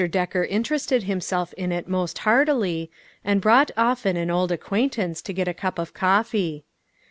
Decker interested himself in it most heartily, and brought often an old acquaintance to get a cup of coffee.